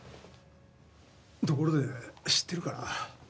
ところで知ってるかな？